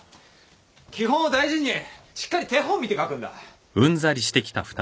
基本を大事にしっかり手本見て書くんだ。